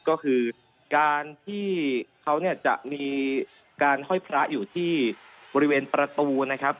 ก็คือการที่เขาเนี่ยจะมีการห้อยพระอยู่ที่บริเวณประตูนะครับ